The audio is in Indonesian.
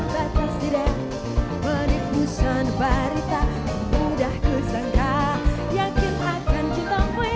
baru bisa five